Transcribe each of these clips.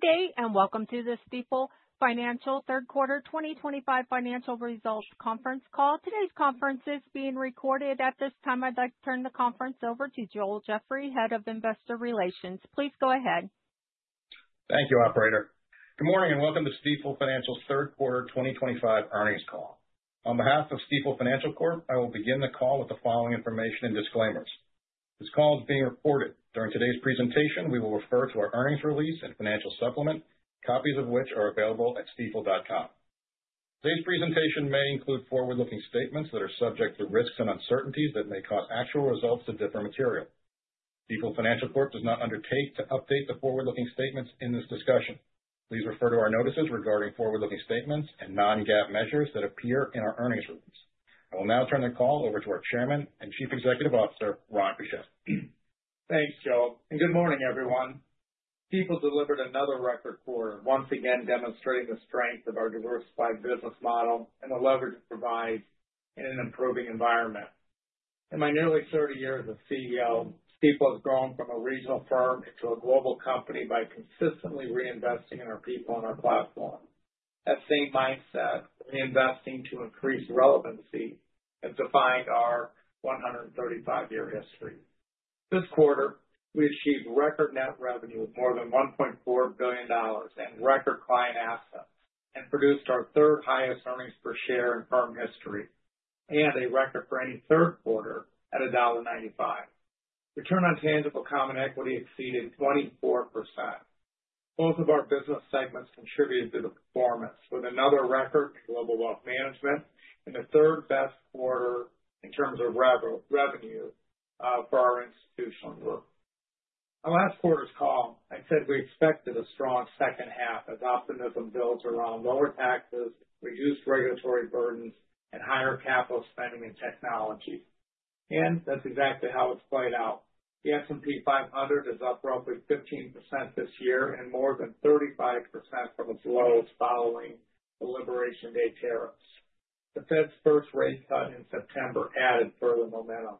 Good day and welcome to the Stifel Financial Third Quarter 2025 Financial Results Conference Call. Today's conference is being recorded. At this time, I'd like to turn the conference over to Joel Jeffrey, Head of Investor Relations. Please go ahead. Thank you, Operator. Good morning and welcome to Stifel Financial's Third Quarter 2025 Earnings Call. On behalf of Stifel Financial Corp, I will begin the call with the following information and disclaimers. This call is being recorded. During today's presentation, we will refer to our earnings release and financial supplement, copies of which are available at stifel.com. Today's presentation may include forward-looking statements that are subject to risks and uncertainties that may cause actual results to differ materially. Stifel Financial Corp does not undertake to update the forward-looking statements in this discussion. Please refer to our notices regarding forward-looking statements and non-GAAP measures that appear in our earnings release. I will now turn the call over to our Chairman and Chief Executive Officer, Ron Kruszewski. Thanks, Joel. And good morning, everyone. Stifel delivered another record quarter, once again demonstrating the strength of our diversified business model and the leverage it provides in an improving environment. In my nearly 30 years as CEO, Stifel has grown from a regional firm into a global company by consistently reinvesting in our people and our platform. That same mindset, reinvesting to increase relevancy, has defined our 135-year history. This quarter, we achieved record net revenue of more than $1.4 billion and record client assets, and produced our third-highest earnings per share in firm history, and a record for any third quarter at $1.95. Return on tangible common equity exceeded 24%. Both of our business segments contributed to the performance, with another record in global wealth management and the third-best quarter in terms of revenue for our institutional group. On last quarter's call, I said we expected a strong second half as optimism builds around lower taxes, reduced regulatory burdens, and higher capital spending in technology. And that's exactly how it's played out. The S&P 500 is up roughly 15% this year and more than 35% from its lows following the Liberation Day tariffs. The Fed's first rate cut in September added further momentum.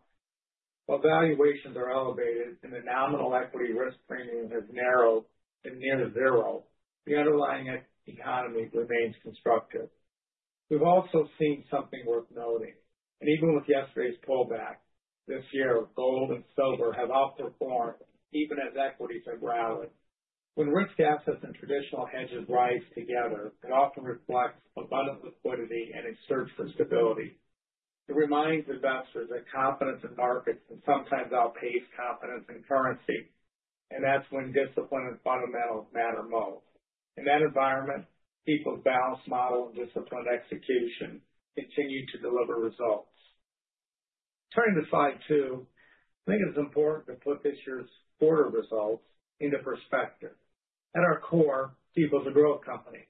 While valuations are elevated and the nominal equity risk premium has narrowed to near zero, the underlying economy remains constructive. We've also seen something worth noting. And even with yesterday's pullback, this year gold and silver have outperformed even as equities have rallied. When risk assets and traditional hedges rise together, it often reflects abundant liquidity and a search for stability. It reminds investors that confidence in markets can sometimes outpace confidence in currency, and that's when discipline and fundamentals matter most. In that environment, Stifel's balanced model and disciplined execution continue to deliver results. Turning to slide two, I think it's important to put this year's quarter results into perspective. At our core, Stifel is a growth company.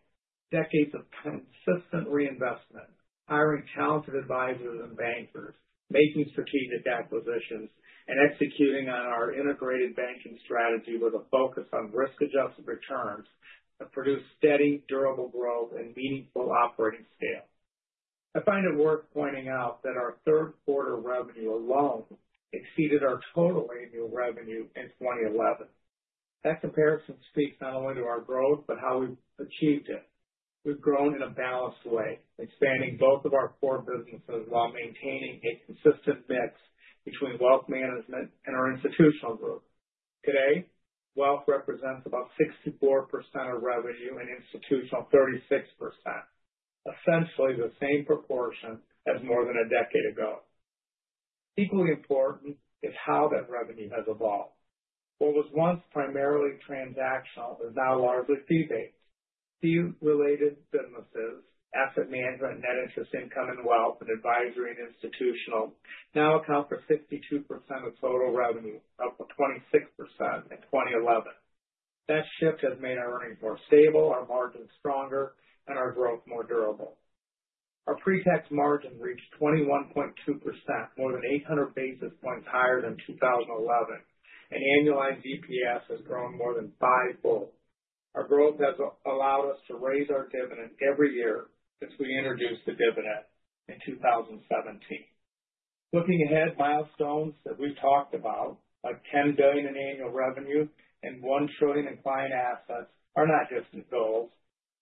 Decades of consistent reinvestment, hiring talented advisors and bankers, making strategic acquisitions, and executing on our integrated banking strategy with a focus on risk-adjusted returns have produced steady, durable growth and meaningful operating scale. I find it worth pointing out that our third-quarter revenue alone exceeded our total annual revenue in 2011. That comparison speaks not only to our growth but how we've achieved it. We've grown in a balanced way, expanding both of our core businesses while maintaining a consistent mix between wealth management and our institutional group. Today, wealth represents about 64% of revenue and institutional 36%, essentially the same proportion as more than a decade ago. Equally important is how that revenue has evolved. What was once primarily transactional is now largely fee-based. Fee-related businesses, asset management, net interest income and wealth, and advisory and institutional now account for 62% of total revenue, up from 26% in 2011. That shift has made our earnings more stable, our margins stronger, and our growth more durable. Our pre-tax margin reached 21.2%, more than 800 basis points higher than 2011, and annualized EPS has grown more than five-fold. Our growth has allowed us to raise our dividend every year since we introduced the dividend in 2017. Looking ahead, milestones that we've talked about, like $10 billion in annual revenue and $1 trillion in client assets, are not just goals.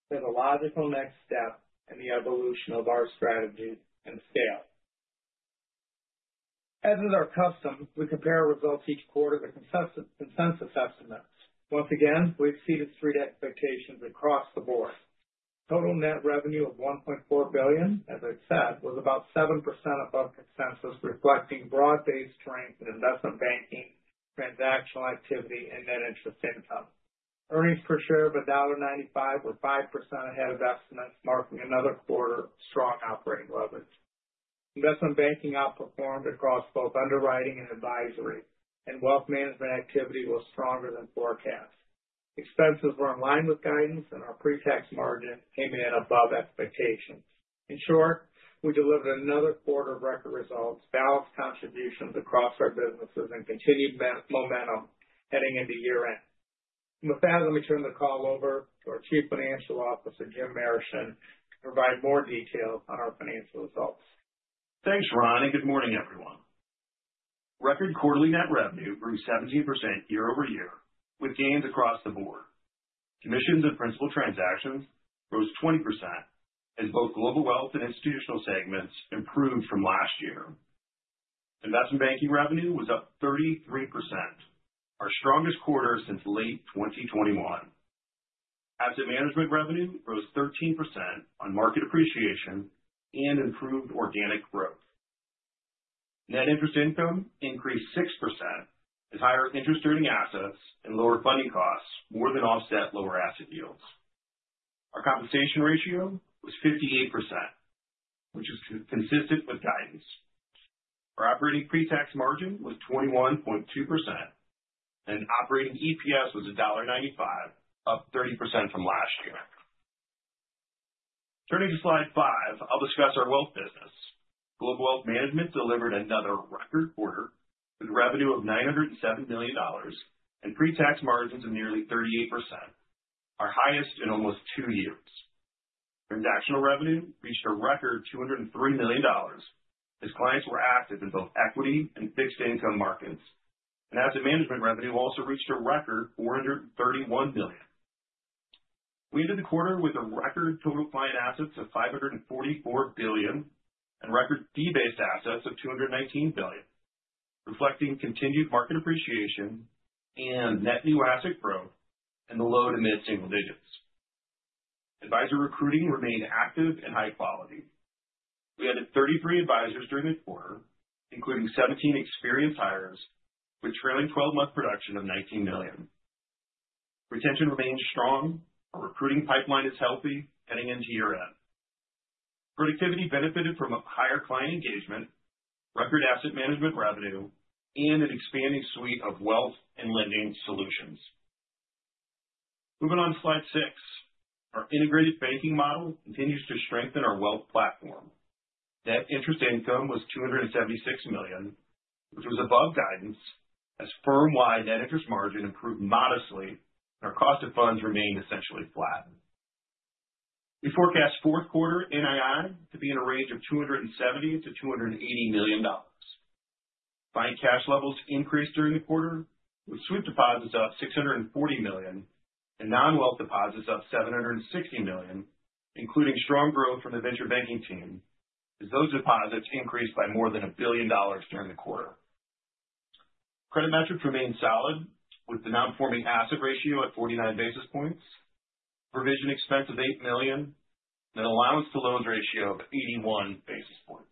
They're the logical next step in the evolution of our strategy and scale. As is our custom, we compare results each quarter to consensus estimates. Once again, we exceeded street expectations across the board. Total net revenue of $1.4 billion, as I said, was about 7% above consensus, reflecting broad-based strength in investment banking, transactional activity, and net interest income. Earnings per share of $1.95 were 5% ahead of estimates, marking another quarter of strong operating leverage. Investment banking outperformed across both underwriting and advisory, and wealth management activity was stronger than forecast. Expenses were in line with guidance, and our pre-tax margin came in above expectations. In short, we delivered another quarter of record results, balanced contributions across our businesses, and continued momentum heading into year-end. With that, let me turn the call over to our Chief Financial Officer, Jim Marischen, to provide more details on our financial results. Thanks, Ron, and good morning, everyone. Record quarterly net revenue grew 17% year over year, with gains across the board. Commissions and Principal Transactions rose 20% as both Global Wealth and institutional segments improved from last year. Investment Banking revenue was up 33%, our strongest quarter since late 2021. Asset Management revenue rose 13% on market appreciation and improved organic growth. Net Interest Income increased 6% as higher interest-earning assets and lower funding costs more than offset lower asset yields. Our compensation ratio was 58%, which is consistent with guidance. Our operating pre-tax margin was 21.2%, and operating EPS was $1.95, up 30% from last year. Turning to slide five, I'll discuss our wealth business. Global Wealth Management delivered another record quarter with revenue of $907 million and pre-tax margins of nearly 38%, our highest in almost two years. Transactional revenue reached a record $203 million as clients were active in both equity and fixed income markets, and asset management revenue also reached a record $431 million. We ended the quarter with a record total client assets of $544 billion and record fee-based assets of $219 billion, reflecting continued market appreciation and net new asset growth in the low to mid-single digits. Advisor recruiting remained active and high quality. We added 33 advisors during the quarter, including 17 experienced hires, with trailing 12-month production of $19 million. Retention remained strong. Our recruiting pipeline is healthy heading into year-end. Productivity benefited from higher client engagement, record asset management revenue, and an expanding suite of wealth and lending solutions. Moving on to slide six, our integrated banking model continues to strengthen our wealth platform. Net interest income was $276 million, which was above guidance as firm-wide net interest margin improved modestly and our cost of funds remained essentially flat. We forecast fourth quarter NII to be in a range of $270-$280 million. Firm cash levels increased during the quarter, with sweep deposits up $640 million and non-wealth deposits up $760 million, including strong growth from the venture banking team, as those deposits increased by more than $1 billion during the quarter. Credit metrics remained solid, with the non-performing asset ratio at 49 basis points, provision expense of $8 million, and an allowance to loans ratio of 81 basis points.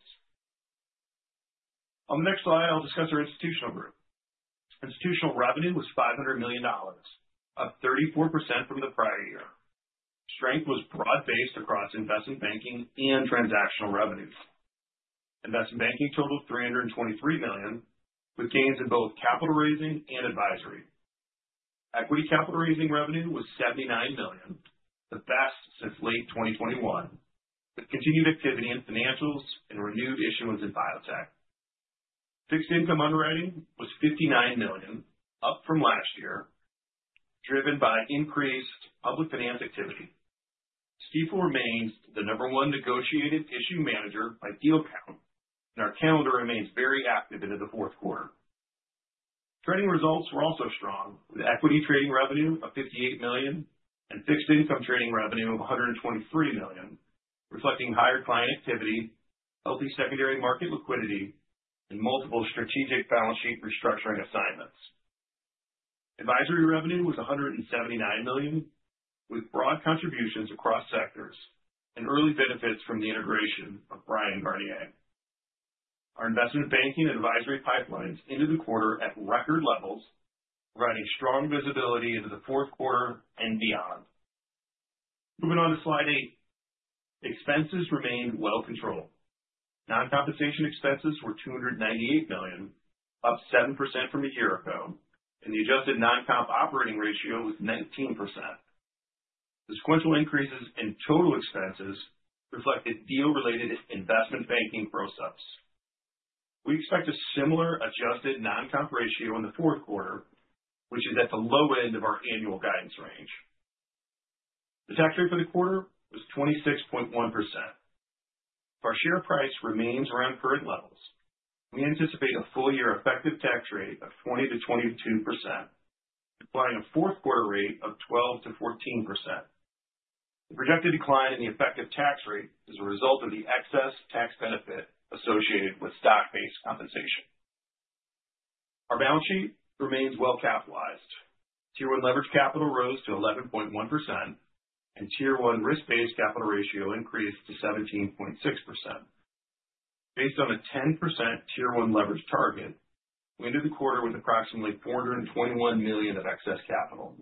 On the next slide, I'll discuss our institutional group. Institutional revenue was $500 million, up 34% from the prior year. Strength was broad-based across investment banking and transactional revenues. Investment banking totaled $323 million, with gains in both capital raising and advisory. Equity capital raising revenue was $79 million, the best since late 2021, with continued activity in financials and renewed issuance in biotech. Fixed income underwriting was $59 million, up from last year, driven by increased public finance activity. Stifel remains the number one negotiated issue manager by deal count, and our calendar remains very active into the fourth quarter. Trading results were also strong, with equity trading revenue of $58 million and fixed income trading revenue of $123 million, reflecting higher client activity, healthy secondary market liquidity, and multiple strategic balance sheet restructuring assignments. Advisory revenue was $179 million, with broad contributions across sectors and early benefits from the integration of Bryan Garnier. Our investment banking and advisory pipelines ended the quarter at record levels, providing strong visibility into the fourth quarter and beyond. Moving on to slide eight, expenses remained well controlled. Non-compensation expenses were $298 million, up 7% from a year ago, and the adjusted non-comp operating ratio was 19%. The sequential increases in total expenses reflected deal-related investment banking process. We expect a similar adjusted non-comp ratio in the fourth quarter, which is at the low end of our annual guidance range. The tax rate for the quarter was 26.1%. If our share price remains around current levels, we anticipate a full-year effective tax rate of 20%-22%, implying a fourth quarter rate of 12%-14%. The projected decline in the effective tax rate is a result of the excess tax benefit associated with stock-based compensation. Our balance sheet remains well capitalized. Tier 1 leverage capital rose to 11.1%, and Tier 1 risk-based capital ratio increased to 17.6%. Based on a 10% Tier 1 leverage target, we ended the quarter with approximately $421 million of excess capital.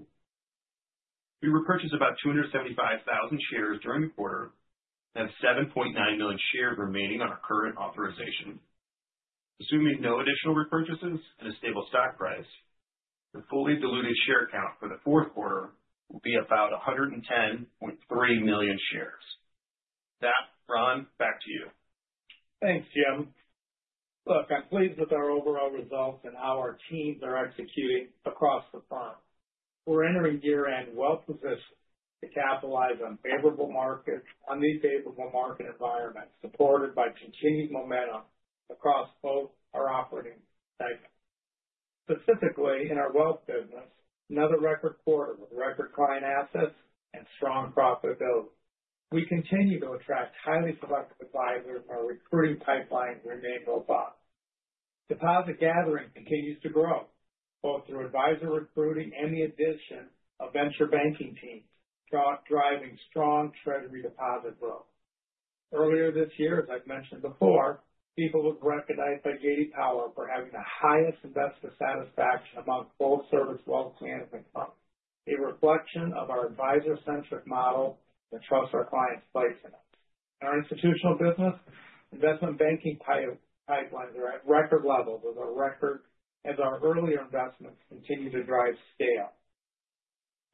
We repurchased about 275,000 shares during the quarter and have 7.9 million shares remaining on our current authorization. Assuming no additional repurchases and a stable stock price, the fully diluted share count for the fourth quarter will be about 110.3 million shares. That, Ron, back to you. Thanks, Jim. Look, I'm pleased with our overall results and how our teams are executing across the firm. We're entering year-end well-positioned to capitalize on favorable markets, on these favorable market environments, supported by continued momentum across both our operating segments. Specifically, in our wealth business, another record quarter with record client assets and strong profitability. We continue to attract highly selective advisors, and our recruiting pipeline remains robust. Deposit gathering continues to grow, both through advisor recruiting and the addition of venture banking teams, driving strong treasury deposit growth. Earlier this year, as I've mentioned before, Stifel was recognized by J.D. Power for having the highest investor satisfaction among both service wealth management companies, a reflection of our advisor-centric model that trusts our clients' place in us. In our institutional business, investment banking pipelines are at record levels as our earlier investments continue to drive scale.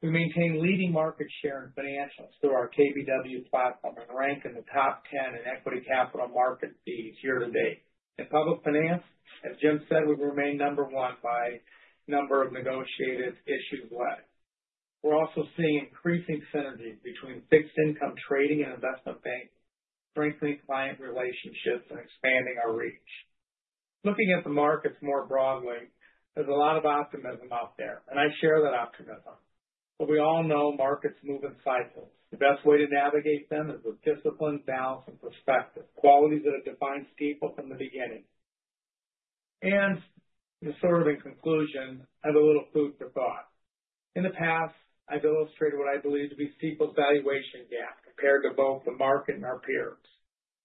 We maintain leading market share in financials through our KBW platform and rank in the top 10 in equity capital market fees year to date. In public finance, as Jim said, we remain number one by number of negotiated issues led. We're also seeing increasing synergy between fixed income trading and investment banking, strengthening client relationships and expanding our reach. Looking at the markets more broadly, there's a lot of optimism out there, and I share that optimism. But we all know markets move in cycles. The best way to navigate them is with discipline, balance, and perspective, qualities that have defined Stifel from the beginning. And just sort of in conclusion, I have a little food for thought. In the past, I've illustrated what I believe to be Stifel's valuation gap compared to both the market and our peers.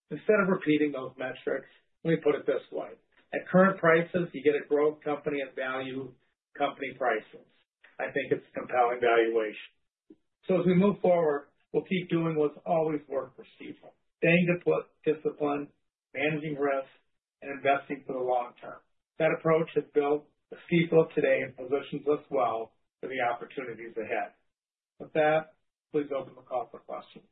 Instead of repeating those metrics, let me put it this way. At current prices, you get a growth company at value company prices. I think it's a compelling valuation. So as we move forward, we'll keep doing what's always worked for Stifel: staying disciplined, managing risk, and investing for the long term. That approach has built the Stifel of today and positions us well for the opportunities ahead. With that, please open the call for questions.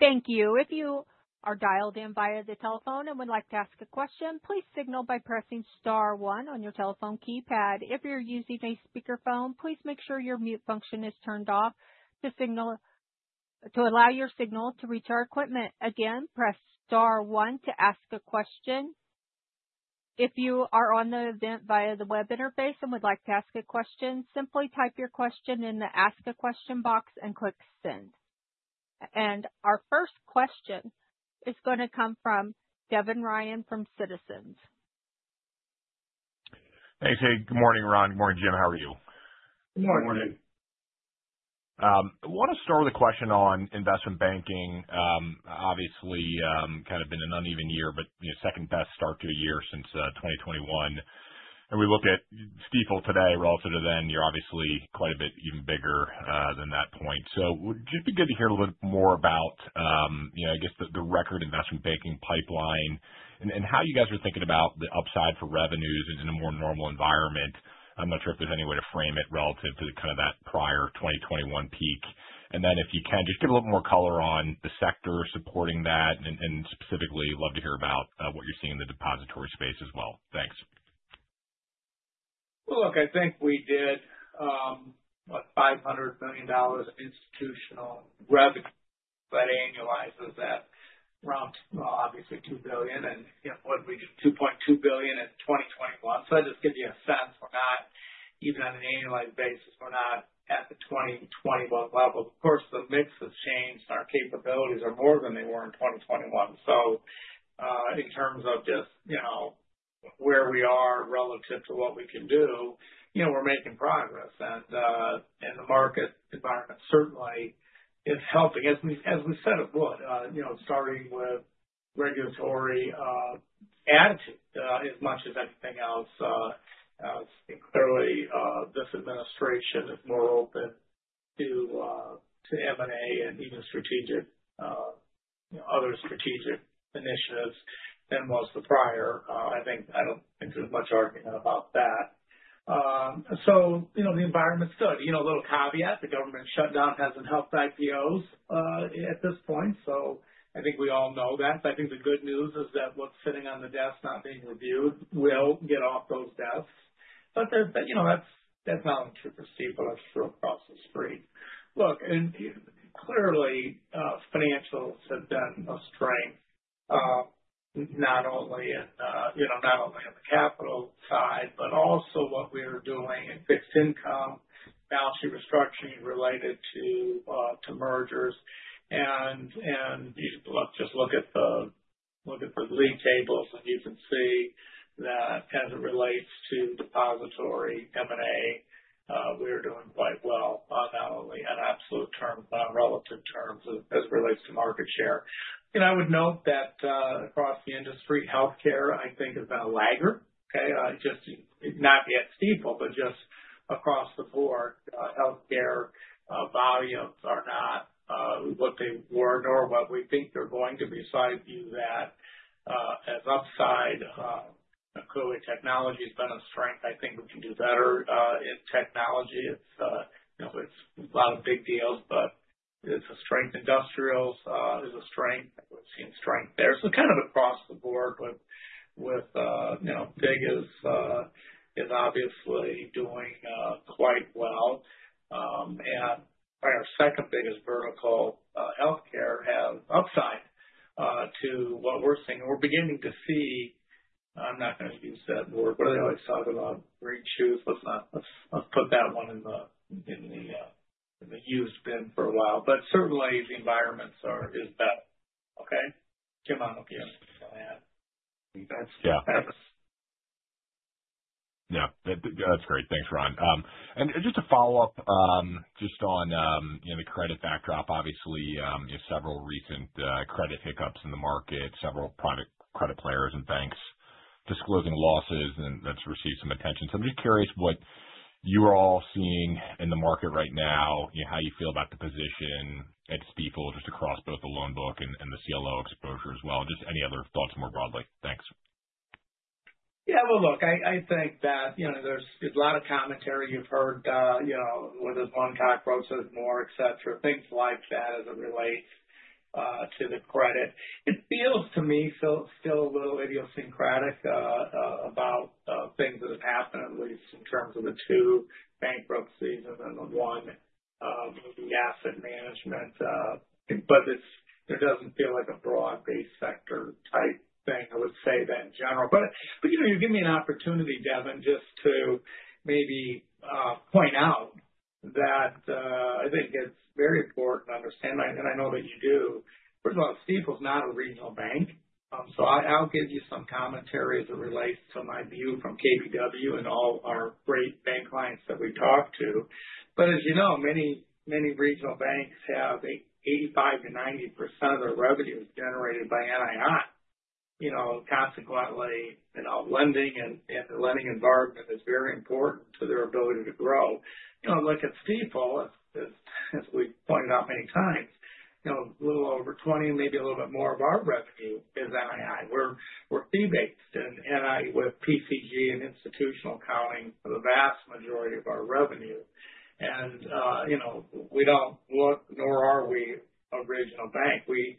Thank you. If you are dialed in via the telephone and would like to ask a question, please signal by pressing star one on your telephone keypad. If you're using a speakerphone, please make sure your mute function is turned off to allow your signal to reach our equipment. Again, press star one to ask a question. If you are on the event via the web interface and would like to ask a question, simply type your question in the Ask a Question box and click Send. And our first question is going to come from Devin Ryan from Citizens. Thanks, Hegg. Good morning, Ron. Good morning, Jim. How are you? Good morning. Good morning. I want to start with a question on investment banking. Obviously, kind of been an uneven year, but second-best start to a year since 2021, and we look at Stifel today relative to then. You're obviously quite a bit even bigger than that point. So it would just be good to hear a little bit more about, I guess, the record investment banking pipeline and how you guys are thinking about the upside for revenues in a more normal environment. I'm not sure if there's any way to frame it relative to kind of that prior 2021 peak, and then, if you can, just give a little more color on the sector supporting that, and specifically, love to hear about what you're seeing in the depository space as well. Thanks. Well, look, I think we did about $500 million of institutional revenue. That annualizes at around, obviously, $2 billion, and what did we do? $2.2 billion in 2021. So that just gives you a sense we're not, even on an annualized basis, we're not at the 2021 level. Of course, the mix has changed, and our capabilities are more than they were in 2021. So in terms of just where we are relative to what we can do, we're making progress. And the market environment certainly is helping, as we said it would, starting with regulatory attitude. As much as anything else, I think clearly this administration is more open to M&A and even other strategic initiatives than was the prior. I don't think there's much argument about that. So the environment's good. A little caveat: the government shutdown hasn't helped IPOs at this point. So I think we all know that. I think the good news is that what's sitting on the desk not being reviewed will get off those desks. But that's not only true for Stifel, that's true across the street. Look, and clearly, financials have been a strength, not only in the capital side, but also what we are doing in fixed income, balance sheet restructuring related to mergers. And look, just look at the league tables, and you can see that as it relates to depository M&A, we are doing quite well, not only on absolute terms but on relative terms as it relates to market share. I would note that across the industry, healthcare, I think, has been a laggard, okay? Not yet Stifel, but just across the board, healthcare volumes are not what they were nor what we think they're going to be. So I view that as upside. Clearly, technology has been a strength. I think we can do better in technology. It's a lot of big deals, but it's a strength. Industrials is a strength. We've seen strength there. So kind of across the board, with big as obviously doing quite well. And our second biggest vertical, healthcare, has upside to what we're seeing. And we're beginning to see, I'm not going to use that word, what do they always talk about? green shoots? Let's put that one in the used bin for a while. But certainly, the environment is better. Okay? Jim Marischen can answer that. Yeah. That's great. Thanks, Ron, and just to follow up just on the credit backdrop, obviously, several recent credit hiccups in the market, several credit players and banks disclosing losses, and that's received some attention, so I'm just curious what you are all seeing in the market right now, how you feel about the position at Stifel just across both the loan book and the CLO exposure as well. Just any other thoughts more broadly? Thanks. Yeah. Well, look, I think that there's a lot of commentary you've heard, whether it's Blackstone, Brooksfield Moore, etc., things like that as it relates to the credit. It feels to me still a little idiosyncratic about things that have happened, at least in terms of the two bankruptcies and then the one moving asset management. But it doesn't feel like a broad-based sector type thing, I would say, that in general. But you give me an opportunity, Devin, just to maybe point out that I think it's very important to understand, and I know that you do. First of all, Stifel is not a regional bank. So I'll give you some commentary as it relates to my view from KBW and all our great bank clients that we talk to. But as you know, many regional banks have 85%-90% of their revenues generated by NII. Consequently, lending and lending environment is very important to their ability to grow. Look at Stifel, as we've pointed out many times, a little over 20, maybe a little bit more of our revenue is NII. We're fee-based, and with PCG and institutional accounting, the vast majority of our revenue, and we don't look, nor are we, a regional bank. We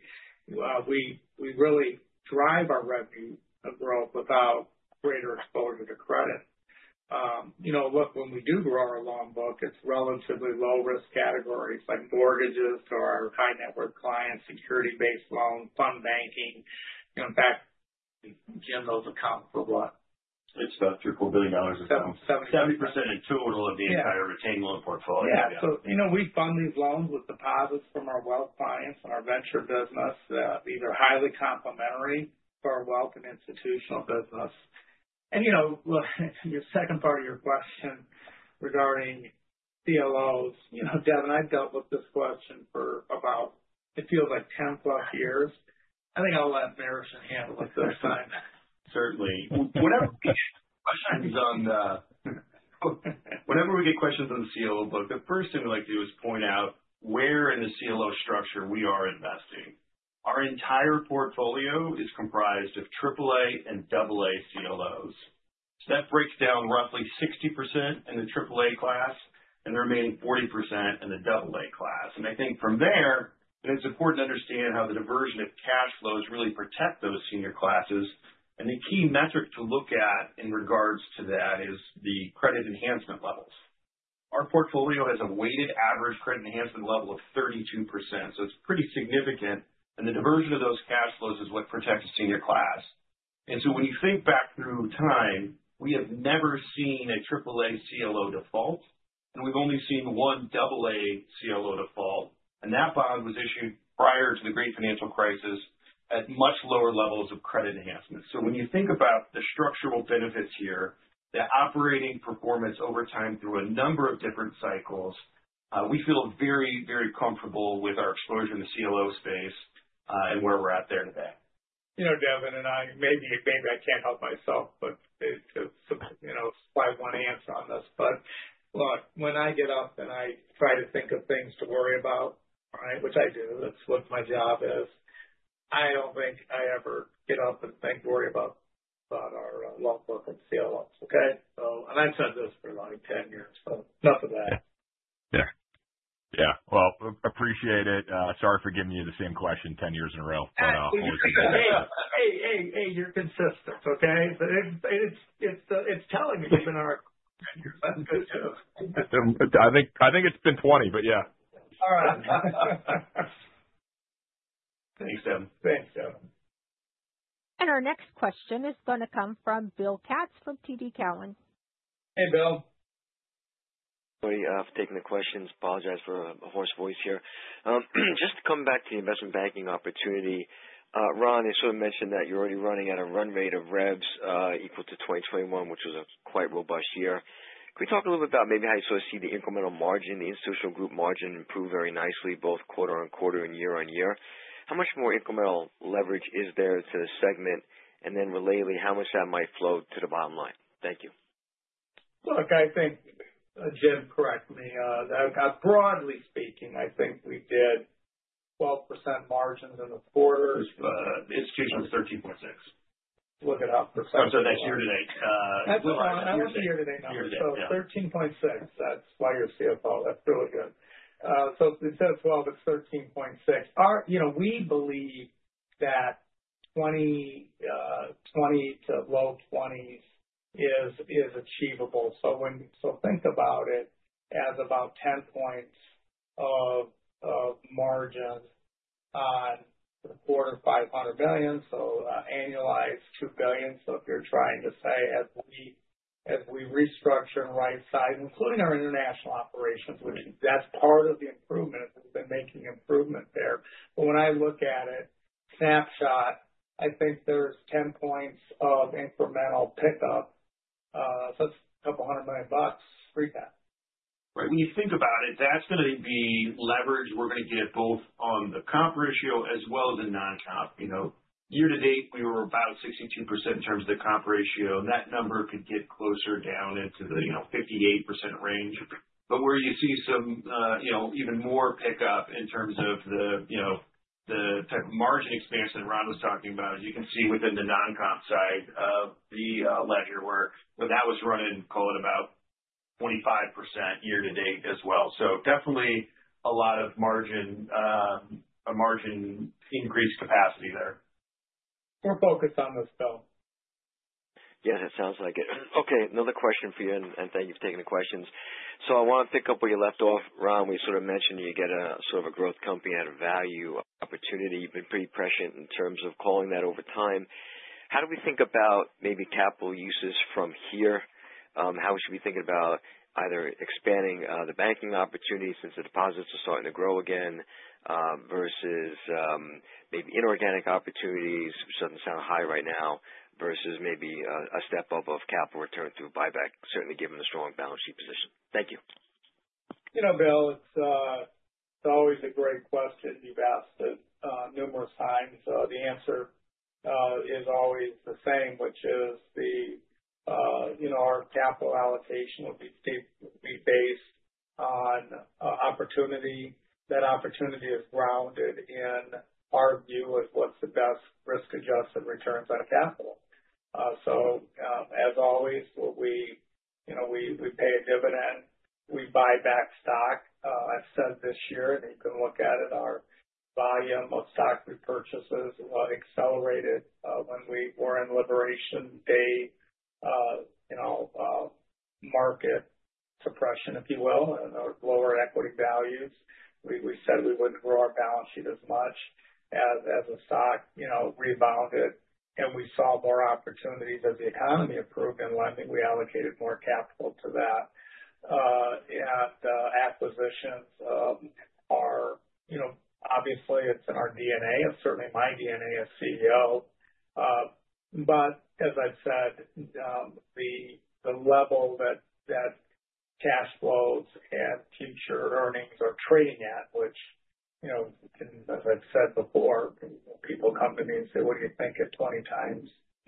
really drive our revenue growth without greater exposure to credit. Look, when we do grow our loan book, it's relatively low-risk categories like mortgages to our high-net-worth clients, security-based loans, fund banking. In fact, Jim knows account for what. It's about $3.4 billion or something. 70%. 70% in total of the entire retained loan portfolio. Yeah, so we fund these loans with deposits from our wealth clients and our venture business that are either highly complementary to our wealth and institutional business, and your second part of your question regarding CLOs, Devin. I've dealt with this question for about, it feels like, 10+ years. I think I'll let Marischen handle it this time. Certainly. Whenever we get questions on the CLO book, the first thing we like to do is point out where in the CLO structure we are investing. Our entire portfolio is comprised of AAA and AA CLOs, so that breaks down roughly 60% in the AAA class and the remaining 40% in the AA class, and I think from there, it's important to understand how the diversion of cash flows really protect those senior classes, and the key metric to look at in regards to that is the credit enhancement levels. Our portfolio has a weighted average credit enhancement level of 32%, so it's pretty significant, and the diversion of those cash flows is what protects the senior class, and so when you think back through time, we have never seen a AAA CLO default, and we've only seen one AA CLO default. And that bond was issued prior to the great financial crisis at much lower levels of credit enhancement. So when you think about the structural benefits here, the operating performance over time through a number of different cycles, we feel very, very comfortable with our exposure in the CLO space and where we're at there today. You know, Devin and I, maybe I can't help myself, but to supply one answer on this. But look, when I get up and I try to think of things to worry about, which I do, that's what my job is. I don't think I ever get up and think, worry about our loan book and CLOs, okay? And I've said this for like 10 years, so nothing bad. Yeah. Yeah. Well, appreciate it. Sorry for giving you the same question 10 years in a row. Absolutely. Hey, hey, hey, you're consistent, okay? It's telling me you've been ours 10 years. I'm good too. I think it's been 20, but yeah. All right. Thanks, Devin. Thanks, Devin. Our next question is going to come from Bill Katz from TD Cowen. Hey, Bill. Sorry for taking the questions. Apologize for a hoarse voice here. Just to come back to the investment banking opportunity, Ron, I sort of mentioned that you're already running at a run rate of reps equal to 2021, which was a quite robust year. Can we talk a little bit about maybe how you sort of see the incremental margin, the institutional group margin improve very nicely, both quarter on quarter and year on year? How much more incremental leverage is there to segment? And then relatedly, how much that might flow to the bottom line? Thank you. Look, I think, Jim, correct me. Broadly speaking, I think we did 12% margins in the quarters. The institution was 13.6. Look at how %. I'm sorry, that's year to date. That's year to date. Year to date. So, 13.6. That's why you're CFO. That's really good. So instead of 12, it's 13.6. We believe that 20 to low 20s is achievable. So think about it as about 10 points of margin on the quarter of $500 million, so annualized $2 billion. So if you're trying to say, as we restructure and right-size, including our international operations, that's part of the improvement. We've been making improvement there. But when I look at it, snapshot, I think there's 10 points of incremental pickup. So that's a couple hundred million bucks. Free cash. Right. When you think about it, that's going to be leverage. We're going to get both on the comp ratio as well as the non-comp. Year to date, we were about 62% in terms of the comp ratio, and that number could get closer down into the 58% range, but where you see some even more pickup in terms of the type of margin expansion that Ron was talking about, as you can see within the non-comp side of the ledger work, that was running, call it, about 25% year to date as well, so definitely a lot of margin increase capacity there. We're focused on this, Bill. Yeah, that sounds like it. Okay. Another question for you, and thank you for taking the questions. So I want to pick up where you left off, Ron. We sort of mentioned you get a sort of a growth company at a value opportunity. You've been pretty prescient in terms of calling that over time. How do we think about maybe capital uses from here? How should we think about either expanding the banking opportunities since the deposits are starting to grow again versus maybe inorganic opportunities, which doesn't sound high right now, versus maybe a step up of capital return through buyback, certainly given the strong balance sheet position? Thank you. You know, Bill, it's always a great question. You've asked it numerous times. The answer is always the same, which is our capital allocation will be based on opportunity. That opportunity is grounded in our view of what's the best risk-adjusted returns on capital, so as always, we pay a dividend. We buy back stock. I've said this year, and you can look at it, our volume of stock repurchases accelerated when we were in liberation day market suppression, if you will, and our lower equity values. We said we wouldn't grow our balance sheet as much as the stock rebounded, and we saw more opportunities as the economy improved, and I think we allocated more capital to that, and acquisitions are obviously, it's in our DNA. It's certainly my DNA as CEO. But as I've said, the level that cash flows and future earnings are trading at, which, as I've said before, people come to me and say, "What do you think of 20x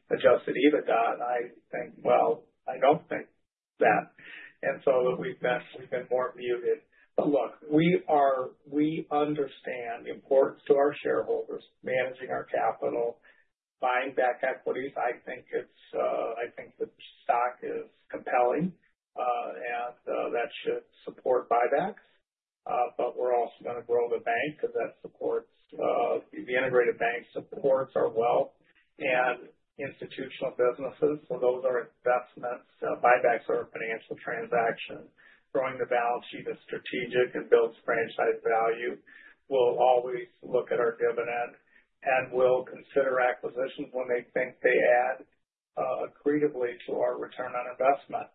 Adjusted EBITDA?" And I think, "Well, I don't think that." And so we've been more muted. But look, we understand the importance to our shareholders, managing our capital, buying back equities. I think the stock is compelling, and that should support buybacks. But we're also going to grow the bank because that supports the integrated bank, supports our wealth and institutional businesses. So those are investments. Buybacks are a financial transaction. Growing the balance sheet is strategic and builds franchise value. We'll always look at our dividend, and we'll consider acquisitions when they think they add accretively to our return on investment.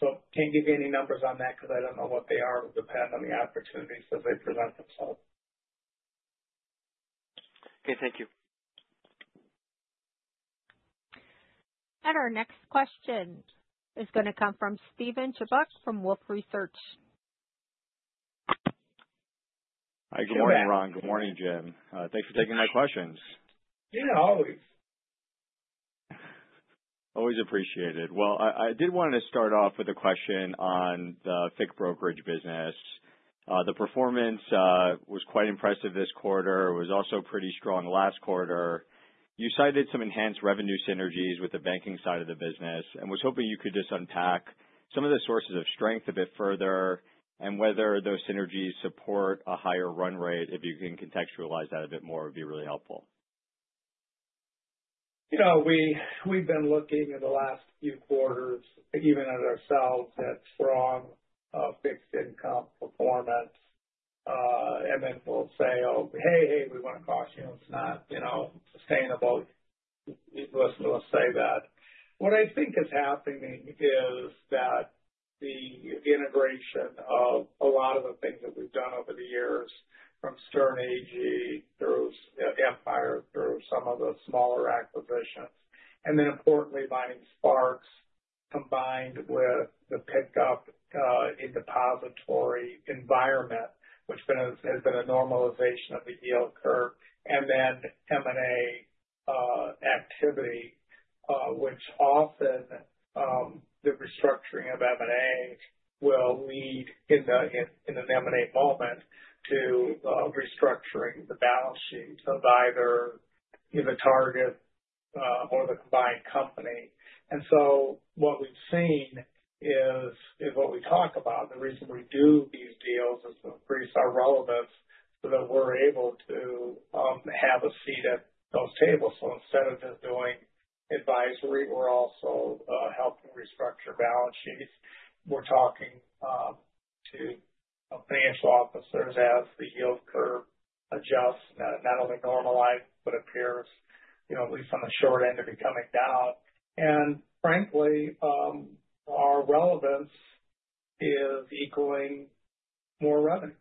So can't give you any numbers on that because I don't know what they are. It will depend on the opportunities as they present themselves. Okay. Thank you. Our next question is going to come from Steven Chubak from Wolfe Research. Hi. Good morning, Ron. Good morning, Jim. Thanks for taking my questions. Yeah. Always. Always appreciated. Well, I did want to start off with a question on the FICC Brokerage business. The performance was quite impressive this quarter. It was also pretty strong last quarter. You cited some enhanced revenue synergies with the banking side of the business and was hoping you could just unpack some of the sources of strength a bit further and whether those synergies support a higher run rate? If you can contextualize that a bit more, it would be really helpful. We've been looking in the last few quarters, even at ourselves, at strong fixed income performance, and then we'll say, "Oh, hey, hey, we want to caution you. It's not sustainable." We'll say that. What I think is happening is that the integration of a lot of the things that we've done over the years from Sterne Agee through Eaton Partners, through some of the smaller acquisitions, and then importantly, buying Sparks combined with the pickup in depository environment, which has been a normalization of the yield curve, and then M&A activity, which often the restructuring of M&A will lead in an M&A moment to restructuring the balance sheets of either the target or the combined company, and so what we've seen is what we talk about. The reason we do these deals is to increase our relevance so that we're able to have a seat at those tables. So instead of just doing advisory, we're also helping restructure balance sheets. We're talking to financial officers as the yield curve adjusts, not only normalized, but appears, at least on the short end, to be coming down. And frankly, our relevance is equaling more revenue.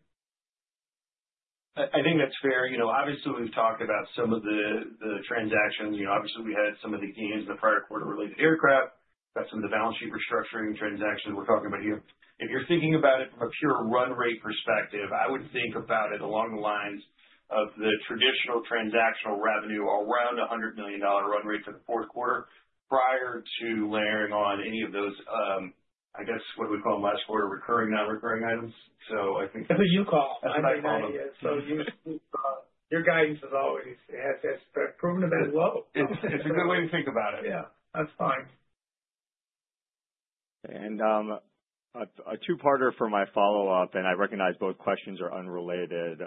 I think that's fair. Obviously, we've talked about some of the transactions. Obviously, we had some of the gains in the prior quarter related to aircraft. We've got some of the balance sheet restructuring transactions we're talking about here. If you're thinking about it from a pure run rate perspective, I would think about it along the lines of the traditional transactional revenue around a $100 million run rate for the fourth quarter prior to layering on any of those, I guess, what do we call them last quarter, recurring, non-recurring items. So I think. That's what you call. That's my motto. So your guidance has always proven to be as well. It's a good way to think about it. Yeah. That's fine. And a two-parter for my follow-up, and I recognize both questions are unrelated,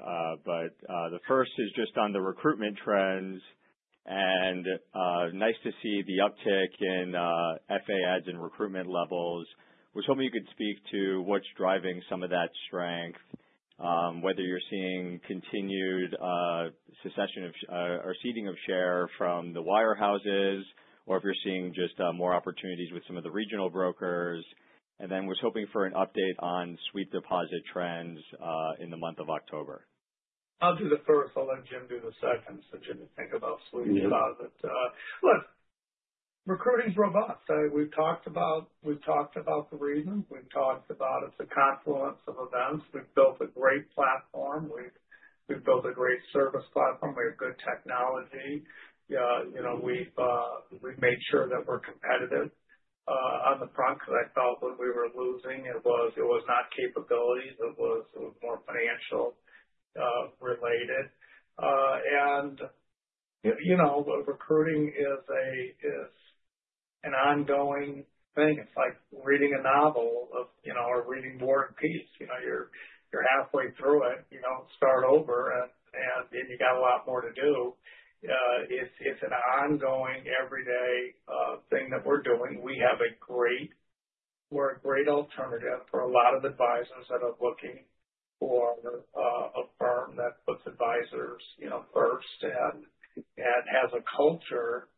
but the first is just on the recruitment trends. And nice to see the uptick in FA adds and recruitment levels. I was hoping you could speak to what's driving some of that strength, whether you're seeing continued succession or seeding of share from the wirehouses, or if you're seeing just more opportunities with some of the regional brokers. And then I was hoping for an update on sweep deposit trends in the month of October. I'll do the first. I'll let Jim do the second so Jim can think about sweep deposit. Look, recruiting is robust. We've talked about the reasons. We've talked about it. It's a confluence of events. We've built a great platform. We've built a great service platform. We have good technology. We've made sure that we're competitive on the front because I felt when we were losing, it was not capabilities. It was more financial related and recruiting is an ongoing thing. It's like reading a novel or reading War and Peace. You're halfway through it. You don't start over, and then you got a lot more to do. It's an ongoing everyday thing that we're doing. We have a great alternative for a lot of advisors that are looking for a firm that puts advisors first and has a culture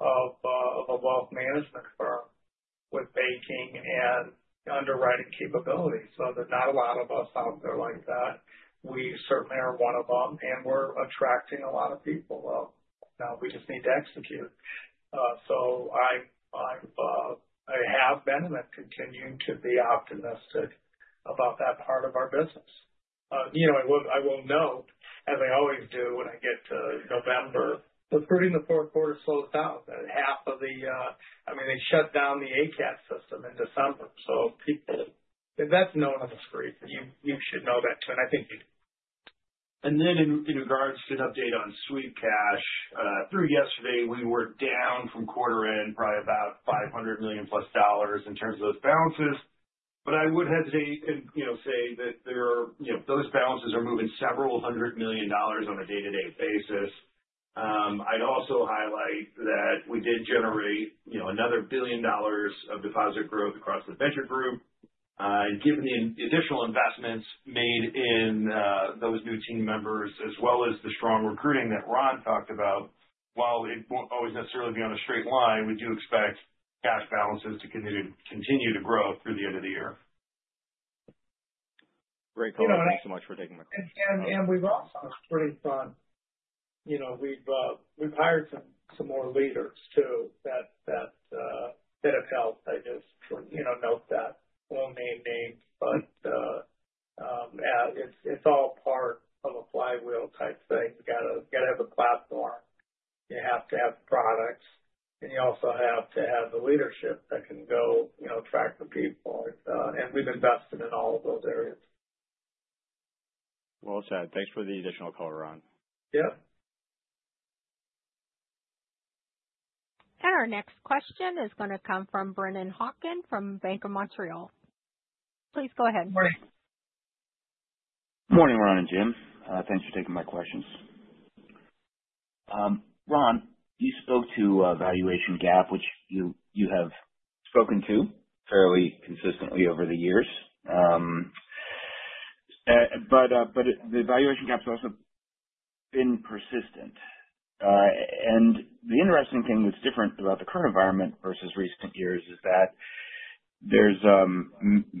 of a wealth management firm with banking and underwriting capabilities. So there's not a lot of us out there like that. We certainly are one of them, and we're attracting a lot of people. Now, we just need to execute. So I have been and I'm continuing to be optimistic about that part of our business. I will note, as I always do when I get to November, recruiting the fourth quarter slows down. Half of the, I mean, they shut down the ACAT system in December. So that's known on the street. You should know that too. And I think you do. And then in regards to an update on sweep cash, through yesterday, we were down from quarter end by about $500 million plus in terms of those balances. But I would hesitate and say that those balances are moving several hundred million dollars on a day-to-day basis. I'd also highlight that we did generate another $1 billion of deposit growth across the venture group. And given the additional investments made in those new team members, as well as the strong recruiting that Ron talked about, while it won't always necessarily be on a straight line, we do expect cash balances to continue to grow through the end of the year. Great comment. Thanks so much for taking my question. And we've also pretty fun. We've hired some more leaders too that have helped. I just note that. Won't name names, but it's all part of a flywheel type thing. You got to have a platform. You have to have products, and you also have to have the leadership that can go track the people, and we've invested in all of those areas. Well said. Thanks for the additional color, Ron. Yep. And our next question is going to come from Brennan Hawken from Bank of Montreal. Please go ahead. Good morning, Ron and Jim. Thanks for taking my questions. Ron, you spoke to valuation gap, which you have spoken to fairly consistently over the years, but the valuation gap has also been persistent, and the interesting thing that's different about the current environment versus recent years is that it's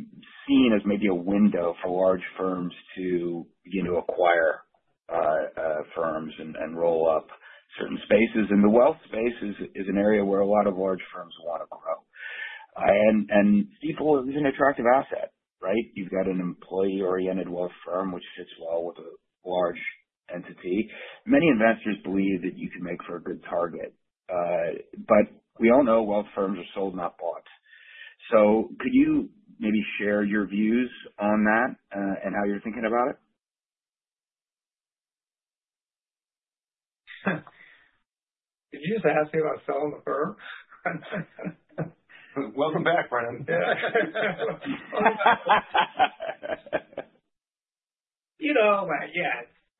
seen as maybe a window for large firms to begin to acquire firms and roll up certain spaces, and the wealth space is an area where a lot of large firms want to grow, and people, it's an attractive asset, right? You've got an employee-oriented wealth firm, which fits well with a large entity. Many investors believe that you can make for a good target, but we all know wealth firms are sold, not bought, so could you maybe share your views on that and how you're thinking about it? Did you just ask me about selling the firm? Welcome back, Brennan. Yeah.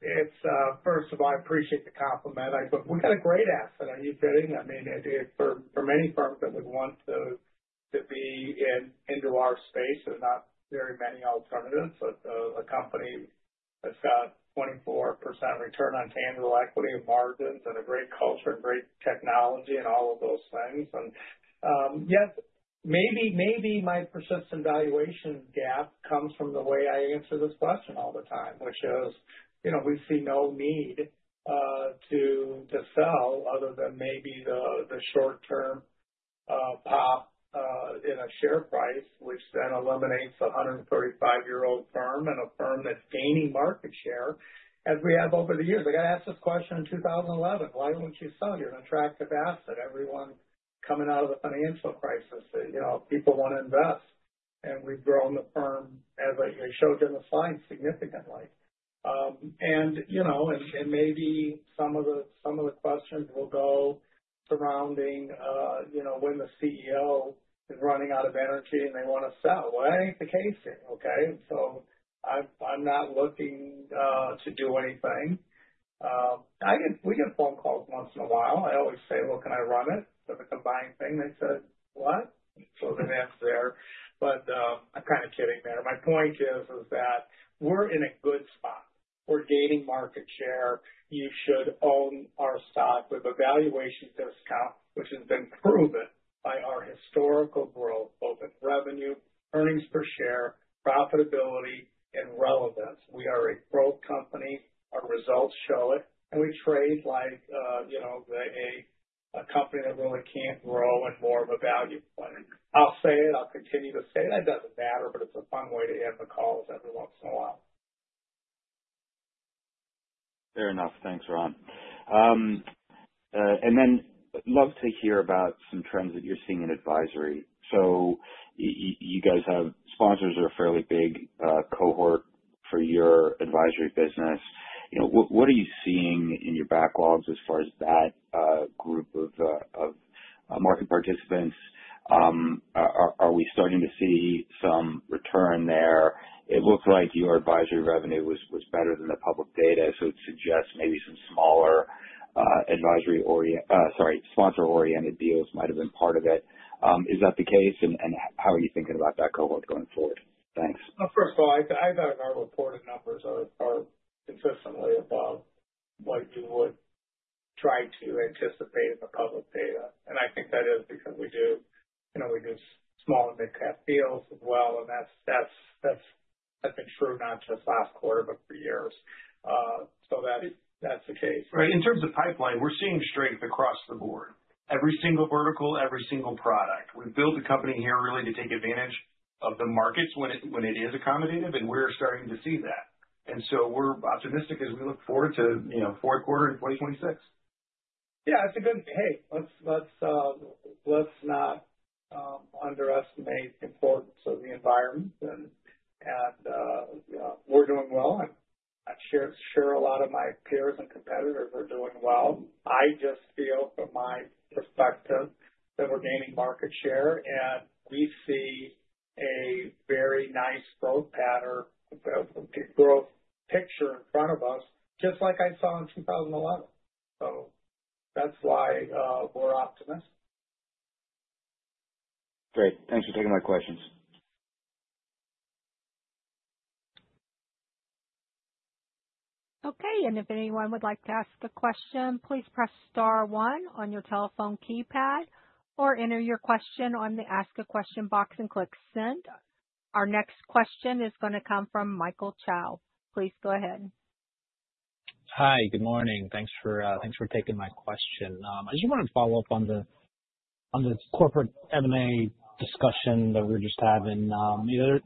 Yeah. First of all, I appreciate the compliment. We've got a great asset, are you kidding? I mean, for many firms that would want to be into our space, there's not very many alternatives. A company that's got 24% return on tangible equity and margins and a great culture and great technology and all of those things. And yet, maybe my persistent valuation gap comes from the way I answer this question all the time, which is we see no need to sell other than maybe the short-term pop in a share price, which then eliminates a 135-year-old firm and a firm that's gaining market share as we have over the years. I got to ask this question in 2011. Why won't you sell? You're an attractive asset. Everyone coming out of the financial crisis, people want to invest. And we've grown the firm, as I showed in the slide, significantly. And maybe some of the questions will go surrounding when the CEO is running out of energy and they want to sell. Well, that ain't the case here, okay? So I'm not looking to do anything. We get phone calls once in a while. I always say, "Look, can I run it?" It's a combined thing. They said, "What?" So the answer's there. But I'm kind of kidding there. My point is that we're in a good spot. We're gaining market share. You should own our stock with a valuation discount, which has been proven by our historical growth, both in revenue, earnings per share, profitability, and relevance. We are a growth company. Our results show it. And we trade like a company that really can't grow and more of a value play. I'll say it. I'll continue to say it. That doesn't matter, but it's a fun way to end the calls every once in a while. Fair enough. Thanks, Ron. And then I'd love to hear about some trends that you're seeing in advisory. So you guys have sponsors that are a fairly big cohort for your advisory business. What are you seeing in your backlogs as far as that group of market participants? Are we starting to see some return there? It looked like your advisory revenue was better than the public data. So it suggests maybe some smaller advisory-oriented, sorry, sponsor-oriented deals might have been part of it. Is that the case? And how are you thinking about that cohort going forward? Thanks. Well, first of all, I thought our reported numbers are consistently above what you would try to anticipate in the public data. And I think that is because we do small and mid-cap deals as well. And that's been true not just last quarter, but for years. So that's the case. Right. In terms of pipeline, we're seeing strength across the board. Every single vertical, every single product. We've built a company here really to take advantage of the markets when it is accommodative. And we're starting to see that. And so we're optimistic as we look forward to fourth quarter in 2026. Yeah. It's a good "Hey, let's not underestimate the importance of the environment." And we're doing well. And I'm sure a lot of my peers and competitors are doing well. I just feel, from my perspective, that we're gaining market share. And we see a very nice growth pattern, growth picture in front of us, just like I saw in 2011. So that's why we're optimistic. Great. Thanks for taking my questions. Okay. And if anyone would like to ask a question, please press star one on your telephone keypad or enter your question on the ask a question box and click send. Our next question is going to come from Michael Cho. Please go ahead. Hi. Good morning. Thanks for taking my question. I just wanted to follow up on the corporate M&A discussion that we were just having.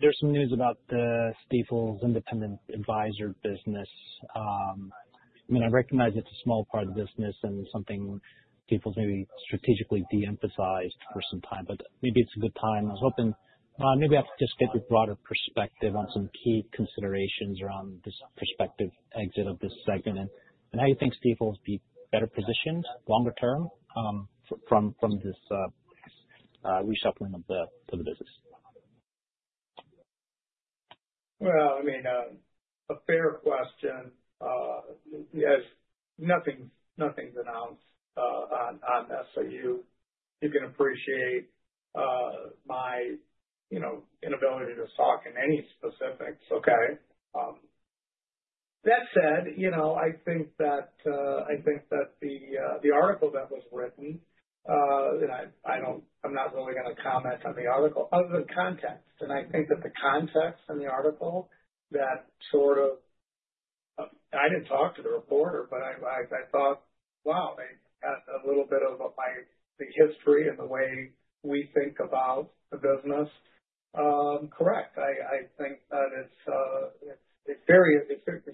There's some news about the Stifel Independent Advisor Business. I mean, I recognize it's a small part of the business and something Stifel maybe strategically de-emphasized for some time. But maybe it's a good time. I was hoping, Ron, maybe I have to just get your broader perspective on some key considerations around this prospective exit of this segment and how you think Stifel will be better positioned longer term from this reshuffling of the business. I mean, a fair question. Nothing's announced on this, so you can appreciate my inability to talk in any specifics, okay? That said, I think that the article that was written, and I'm not really going to comment on the article, other than context, and I think that the context in the article that sort of, I didn't talk to the reporter, but I thought, "Wow, they got a little bit of the history and the way we think about the business." Correct. I think that it's very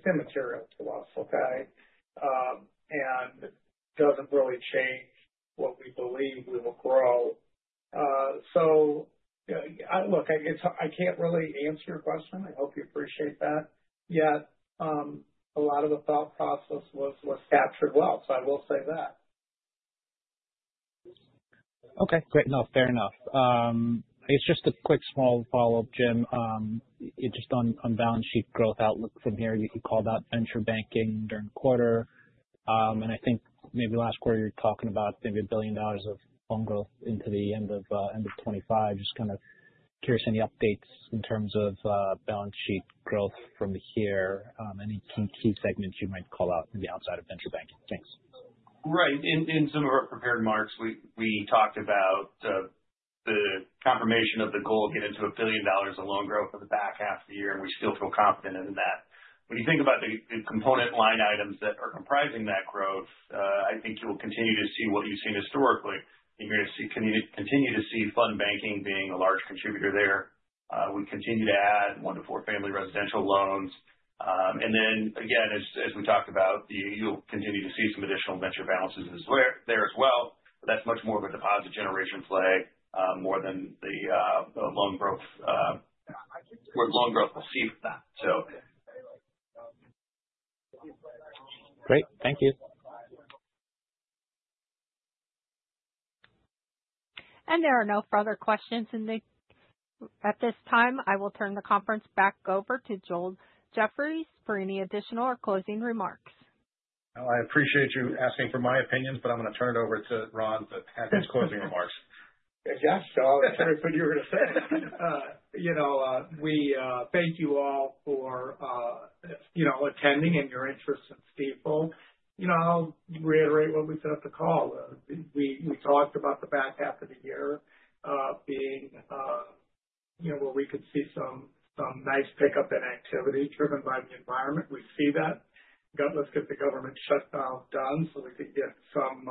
immaterial to us, okay, and it doesn't really change what we believe we will grow, so look, I can't really answer your question. I hope you appreciate that. Yet, a lot of the thought process was captured well, so I will say that. Okay. Great. No, fair enough. It's just a quick small follow-up, Jim. Just on balance sheet growth outlook from here, you called out venture banking during quarter. And I think maybe last quarter, you were talking about maybe $1 billion of loan growth into the end of 2025. Just kind of curious, any updates in terms of balance sheet growth from here, any key segments you might call out maybe outside of venture banking. Thanks. Right. In some of our prepared remarks, we talked about the confirmation of the goal of getting to $1 billion of loan growth for the back half of the year, and we still feel confident in that. When you think about the component line items that are comprising that growth, I think you'll continue to see what you've seen historically. You're going to continue to see fund banking being a large contributor there. We continue to add one to four family residential loans. And then, again, as we talked about, you'll continue to see some additional venture balances there as well. But that's much more of a deposit generation play more than the loan growth where loan growth will see that, so. Great. Thank you. There are no further questions at this time. I will turn the conference back over to Joel Jeffrey for any additional or closing remarks. I appreciate you asking for my opinions, but I'm going to turn it over to Ron to have his closing remarks. Yes. I was going to put you on the stage. We thank you all for attending and your interest in Stifel. I'll reiterate what we said at the call. We talked about the back half of the year being where we could see some nice pickup in activity driven by the environment. We see that. Let's get the government shutdown done so we could get some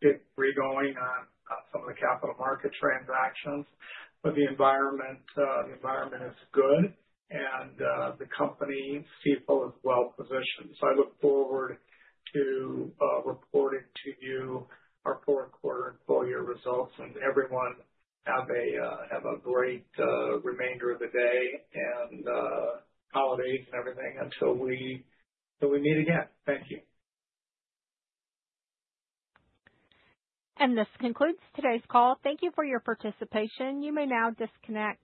big reflowing on some of the capital market transactions. But the environment is good. And the company Stifel is well positioned. So I look forward to reporting to you our fourth quarter and full year results. And everyone, have a great remainder of the day and holidays and everything until we meet again. Thank you. This concludes today's call. Thank you for your participation. You may now disconnect.